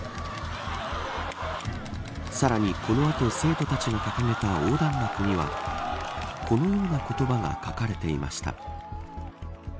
さらにこの後生徒たちが掲げた横断幕にはこのような言葉が書かれていました。